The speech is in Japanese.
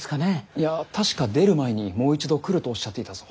いや確か出る前にもう一度来るとおっしゃっていたぞ。